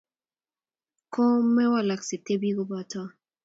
Ko mewalaksei; tebi kobota.